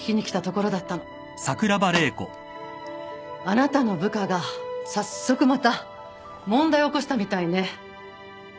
あなたの部下が早速また問題を起こしたみたいね。